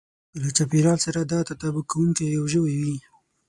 که له چاپېريال سره دا تطابق کوونکی يو ژوی وي.